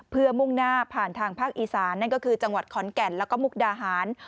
เพื่อมุ่งหน้าผ่านทางภาคอีสานจังหวัดขอนแก่นและมุกดาหาร